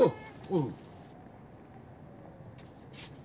うん。